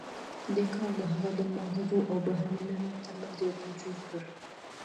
دې کار د هغه د ماغزو او بهرنۍ نړۍ ترمنځ یو پُل جوړ کړ